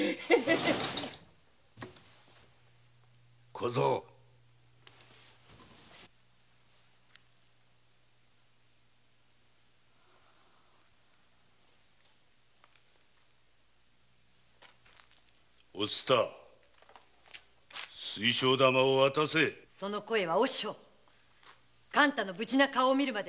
小僧お蔦水晶玉を渡せその声は和尚勘太の無事な顔を見るまでは渡すものかね